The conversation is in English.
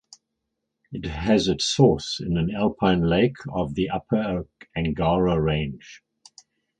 It has its sources in an alpine lake of the Upper Angara Range.